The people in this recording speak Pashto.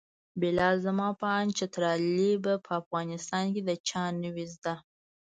بلاله زما په اند چترالي به په افغانستان کې د چا نه وي زده.